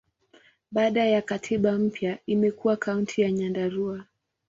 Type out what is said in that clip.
Baada ya katiba mpya, imekuwa Kaunti ya Nyandarua.